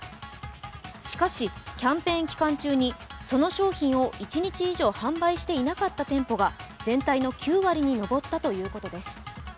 しかし、キャンペーン期間中にその商品を一日以上販売していなかった店舗が全体の９割に上ったということです。